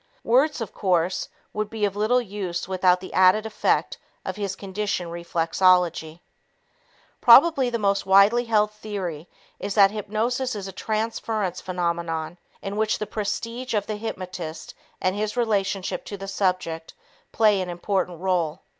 Words, of course, would be of little use without the added effect of his conditioned reflexology. Probably the most widely held theory is that hypnosis is a transference phenomenon in which the prestige of the hypnotist and his relationship to the subject plays an important role.